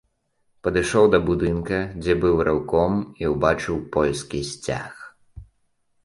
Падышоў да будынка, дзе быў рэўком, і ўбачыў польскі сцяг.